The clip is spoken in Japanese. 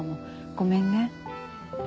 ごめんね。